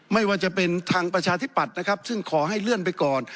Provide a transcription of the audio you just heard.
ไม่ว่าจะเป็นทางประชาธิปัตย์นะครับซึ่งขอให้เลื่อนไปก่อน